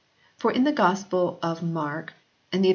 For in the Gospel of Mark and the Epistle B.